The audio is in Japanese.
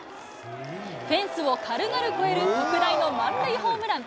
フェンスを軽々越える特大の満塁ホームラン。